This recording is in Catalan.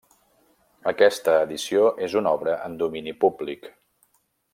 Aquesta edició és una obra en domini públic.